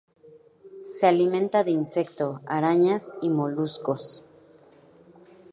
Se alimenta de insecto, arañas y moluscos.